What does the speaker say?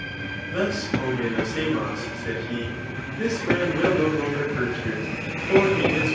Thus, O men of Samos ! sai^ he, this man will no longer hurt you ; for be is.